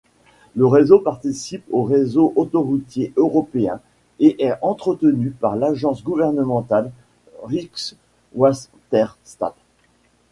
Le réseau participe aux réseaux autoroutiers européens et est entretenu par l'agence gouvernementale Rijkswaterstaat.